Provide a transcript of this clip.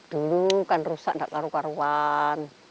dulu kan rusak gak taruh karuan